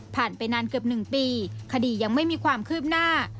ผ่านไปนานเกือบหนึ่งปีคดียังไม่มีความคืบหน้า